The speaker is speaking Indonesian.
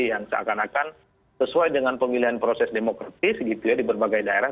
yang seakan akan sesuai dengan pemilihan proses demokratis gitu ya di berbagai daerah